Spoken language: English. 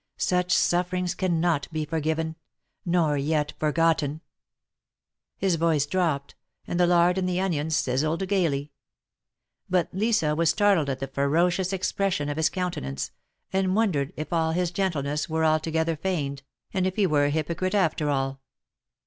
Such sufferings cannot be forgiven, — nor yet forgotten !" His voice dropped, and the lard and the onions sizzled gayly. But Lisa was startled at the ferocious expression of his countenance, and wondered if all his gentleness were altogether feigned, and if he were a hypocrite after all.